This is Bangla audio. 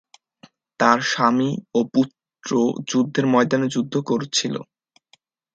তার স্বামী ও পুত্র যুদ্ধের ময়দানে যুদ্ধ করছিল।